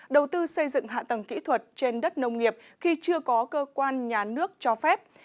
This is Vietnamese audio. đầu tư xây dựng hạ tầng kỹ thuật trên đất nông nghiệp khi chưa có cơ quan nhà nước cho phép